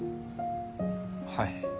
はい。